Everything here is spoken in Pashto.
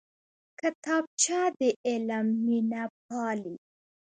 کتابچه د علم مینه پالي